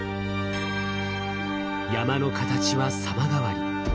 山の形は様変わり。